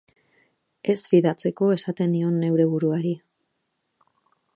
Ez fidatzeko esaten nion neure buruari.